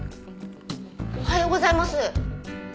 おはようございます。